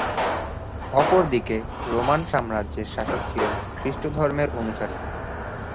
অপরদিকে রোমান সাম্রাজ্যের শাসক ছিলেন খ্রিস্টধর্মের অনুসারী।